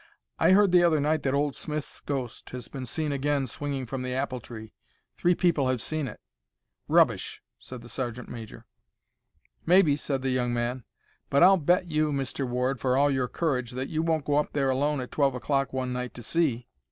"I heard the other night that old Smith's ghost has been seen again swinging from the apple tree. Three people have seen it." "Rubbish!" said the sergeant major. "Maybe," said the young man; "but I'll bet you, Mr. Ward, for all your courage, that you won't go up there alone at twelve o'clock one night to see."